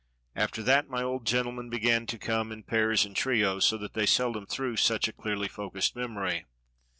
After that my old gentlemen began to come in pairs and trios, so that they seldom threw such a clearly focused memory.